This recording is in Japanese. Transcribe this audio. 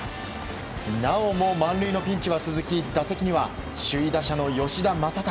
なおも満塁のピンチは続き打席には首位打者の吉田正尚。